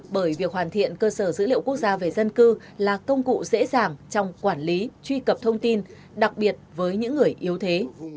bởi việc hoàn thiện cơ sở dữ liệu quốc gia về dân cư là công cụ dễ dàng trong quản lý truy cập thông tin đặc biệt với những người yếu thế